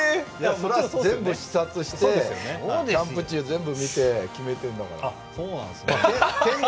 全部視察して、キャンプ地全部見て決めてるんだから。